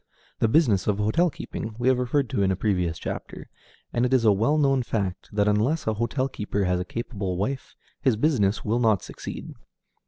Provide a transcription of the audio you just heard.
The business of hotel keeping we have referred to in a previous chapter, and it is a well known fact that unless a hotel keeper has a capable wife, his business will not succeed.